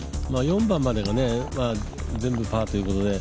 ４番までがね全部パーということで